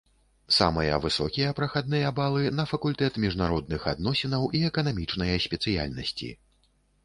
Самыя высокія прахадныя балы на факультэт міжнародных адносінаў і эканамічныя спецыяльнасці.